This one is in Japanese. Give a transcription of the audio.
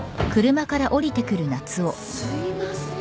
すいません。